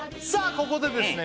ここでですね